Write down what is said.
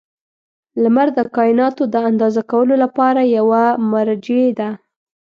• لمر د کایناتو د اندازه کولو لپاره یوه مرجع ده.